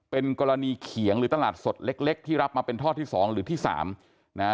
เป็นกรณีเขียงหรือตลาดสดเล็กที่รับมาเป็นท่อที่สองหรือที่สามนะฮะ